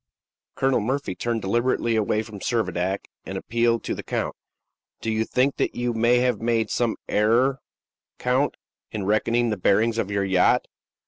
Colonel Murphy turned deliberately away from Servadac, and appealed to the count: "Do you not think you may have made some error, count, in reckoning the bearings of your yacht?"